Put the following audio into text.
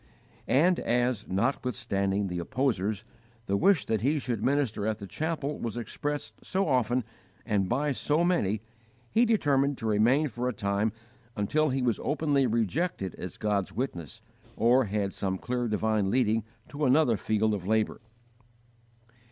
And as, notwithstanding the opposers, the wish that he should minister at the chapel was expressed so often and by so many, he determined to remain for a time until he was openly rejected as God's witness, or had some clear divine leading to another field of labour.